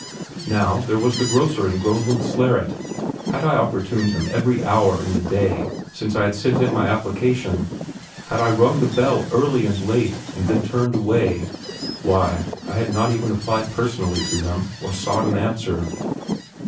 Now, there was the grocer in Groenlandsleret. Had I importuned him every hour in the day since I sent in my application? Had I rung the bell early and late, and been turned away? Why, I had not even applied personally to him or sought an answer!